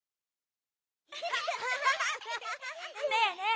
ねえねえ